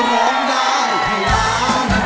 ร้องได้ให้ร้ำ